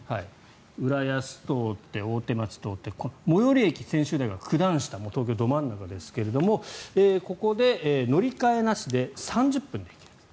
浦安を通って大手町を通って最寄り駅は、専修大学は九段下、東京ど真ん中ですがここで乗り換えなしで３０分で行ける。